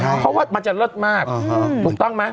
เพราะว่ามันจะเลิศมากถูกต้องไหม